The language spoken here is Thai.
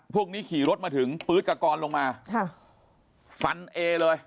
พวกนี้ขี่รถมาถึงปื๊ดกับกอนลงมาฟันเอเลย